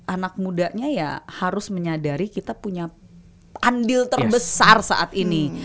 anak mudanya ya harus menyadari kita punya andil terbesar saat ini